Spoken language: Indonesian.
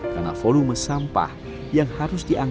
karena volume sampah yang harus dikumpulkan